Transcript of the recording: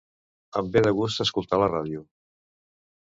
Em ve de gust escoltar la ràdio.